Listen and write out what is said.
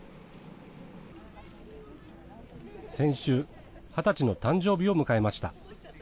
先週、２０歳の誕生日を迎えました。